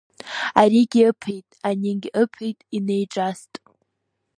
Аригьы ыԥеит, анигьы ыԥеит, инеиҿаст…